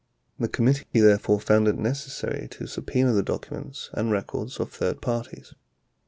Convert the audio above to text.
41 The committee, therefore, found it necessary to subpena the docu ments and records of third parties.